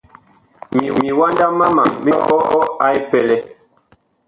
Miwanda mama mi tɔɔ a epɛlɛ.